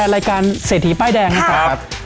รายการเศรษฐีป้ายแดงนะครับ